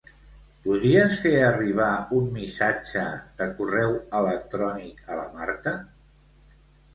Podries fer arribar un missatge de correu electrònic a la Marta?